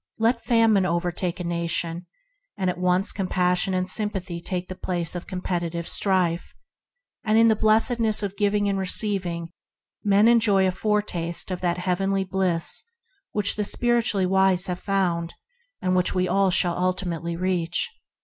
Let famine overtake a city or a nation, and at once compassion and sympathy take the COMPETITIVE LAWS AND LAW OF LOVE ]9 place of competitive strife; and, in the blessedness of giving and receiving, men enjoy a foretaste of the heavenly bliss that the spiritually wise have found, * which all shall ultimately reach.